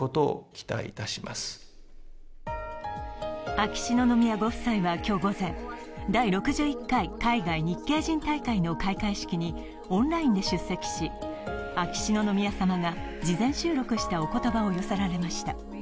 秋篠宮ご夫妻は今日午前、第６１回海外日系人大会の開会式にオンラインで出席し秋篠宮さまが事前収録したおことばを寄せられました。